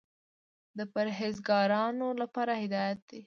د پرهېزګارانو لپاره هدایت دى.